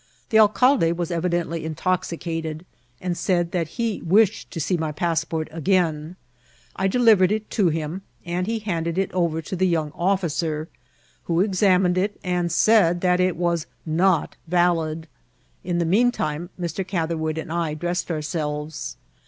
The alcalde was evidently intoxicated, and said that he wished to see my passport again. I delivered it to him, and he handed it over to the young officer, who exam ined it, and said that it was not valid. In the mean time, Mr. Catherwood and I dressed ourselves.